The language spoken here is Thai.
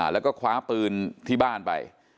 แล้วก็คว้าปืนที่บ้านไป